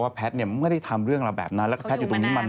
ว่าแพทย์เนี่ยมันไม่ได้ทำเรื่องอะไรแบบนั้นแล้วก็แพทย์อยู่ตรงนี้มานาน